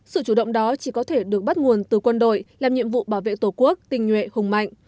sự chủ động đó chỉ có thể được bắt nguồn từ quân đội làm nhiệm vụ bảo vệ tổ quốc tình nhuệ hùng mạnh